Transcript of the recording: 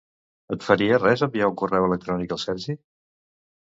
Et faria res enviar un correu electrònic al Sergi?